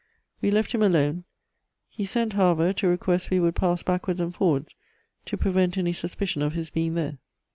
We left him alone; he sent, however, to request we would pass backwards and forwards, to prevent any suspicion of his being there.